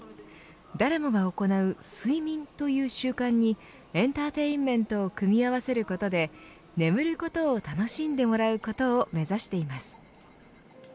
誰もが行う、睡眠という習慣にエンターテインメントを組み合わせることで眠ることを楽しんでもらうことを目指しています。